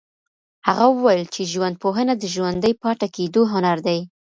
هغه وویل چي ژوندپوهنه د ژوندي پاته کيدو هنر دی.